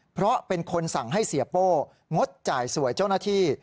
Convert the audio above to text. เพราะเป็นคนสั่งให้เสียโป้งดจ่ายสวยเจ้าหน้าที่